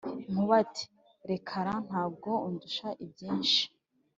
Nkuba ati: "Reka ra! Ntabwo undusha ibyinshi,"